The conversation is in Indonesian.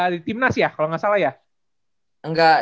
dia kan prawira banget kok